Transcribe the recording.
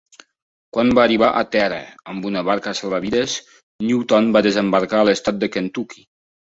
Quan va arribar a terra amb una barca salvavides, Newton va desembarcar a l'Estat de Kentucky.